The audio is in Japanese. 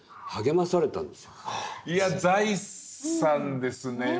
いや財産ですね。